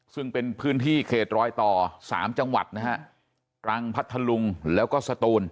ซึ่งเป็นพื้นที่เขตรอยต่อสามจังหวัดนะฮะตรังพัทธลุงแล้วก็สตูน